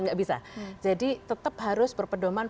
nggak bisa jadi tetap harus berpedoman